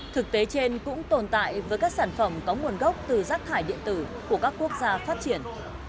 thực tế trên cũng tồn tại với các sản phẩm có nguồn gốc từ rác thải điện tử của các quốc gia phát triển